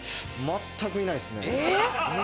全くいないっすね。